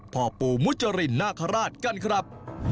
พ่อปู่มุจรินนาคาราชกันครับ